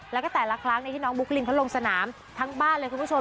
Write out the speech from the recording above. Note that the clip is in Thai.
แล้วก็แต่ละครั้งที่น้องบุ๊กลินเขาลงสนามทั้งบ้านเลยคุณผู้ชม